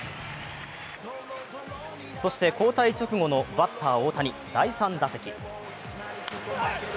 そして交代直後のバッター・大谷、第３打席。